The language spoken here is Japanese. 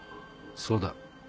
そうだ。